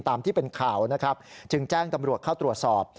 ตามที่เป็นข่าวนะครับจึงแจ้งตำรวจเข้าตรวจสอบ